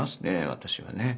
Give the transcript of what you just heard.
私はね。